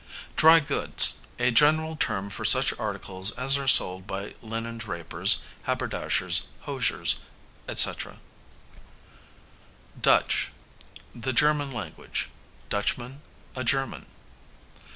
Dry goods, a general term for such articles as are sold by linen drapers, haberdashers, hosiers, &c. Dutch, the German language. Dutchman, a German.